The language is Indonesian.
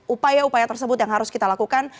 upaya upaya tersebut yang harus kita lakukan